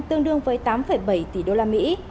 tương đương với tám bảy tỷ đô la mỹ